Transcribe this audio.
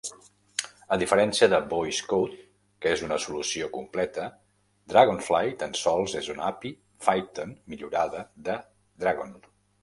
A diferència de VoiceCode, que és una solució completa, Dragonfly tan sols és una API Python millorada de Dragon.